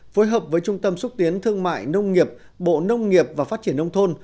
phối hợp với trung tâm xúc tiến thương mại nông nghiệp bộ nông nghiệp và phát triển nông thôn